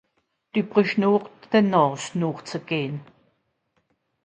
Dü brüsch jo nùmme de Nààs nooch ze gehn.